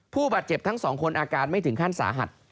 ผู้บาดเจ็บทั้งสองคนอาการไม่ถึงขั้นสาหัส